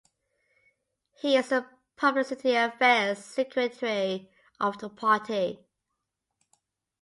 He is the Publicity Affairs Secretary of the party.